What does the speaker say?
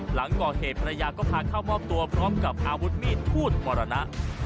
หลังก่อเหตุภรรยาก็พาเข้ามอบตัวพร้อมกับอาวุธมีดทูตมรณะ